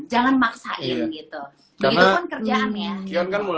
jangan maksain gitu begitupun